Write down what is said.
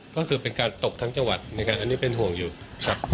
ก็คือเป็นการตบทั้งจังหวัดนะครับอันนี้เป็นห่วงอยู่ครับ